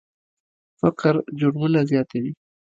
فقر جرمونه زیاتوي.